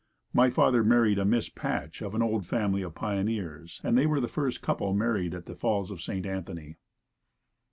My father married a Miss Patch of an old family of pioneers and they were the first couple married at the Falls of St. Anthony.